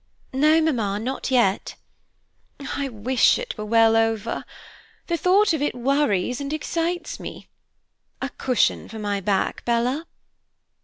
"No, Mamma, not yet." "I wish it were well over. The thought of it worries and excites me. A cushion for my back, Bella."